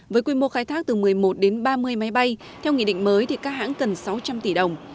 với quy mô khai thác từ một mươi một đến ba mươi máy bay theo nghị định mới thì các hãng cần sáu trăm linh tỷ đồng